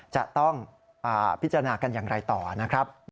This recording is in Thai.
จะต้องพิจารณากันอย่างไรต่อนะครับ